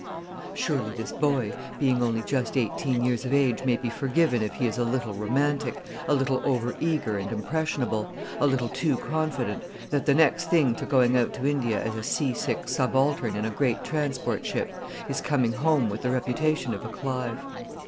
Surely this boy, being only just eighteen years of age, may be forgiven if he is a little romantic, a little over eager and impressionable, a little too confident that the next thing to going out to India as a sea sick subaltern in a great transport ship is coming home with the reputation of a Clive.